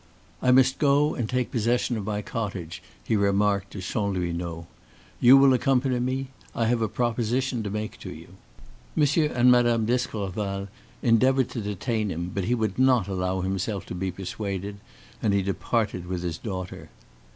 "I must go and take possession of my cottage," he remarked to Chanlouineau; "you will accompany me; I have a proposition to make to you." M. and Mme. d'Escorval endeavored to detain him, but he would not allow himself to be persuaded, and he departed with his daughter.